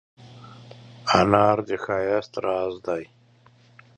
انار د ښایست راز دی.